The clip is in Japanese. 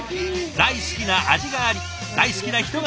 大好きな味があり大好きな人がいる。